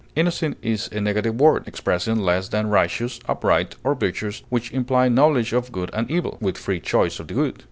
Innocent is a negative word, expressing less than righteous, upright, or virtuous, which imply knowledge of good and evil, with free choice of the good.